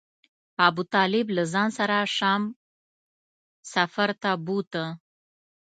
ابو طالب له ځان سره شام سفر ته بوته.